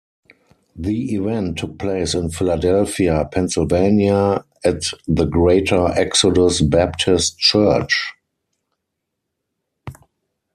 The event took place in Philadelphia, Pennsylvania at the Greater Exodus Baptist Church.